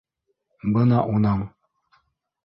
Бына уның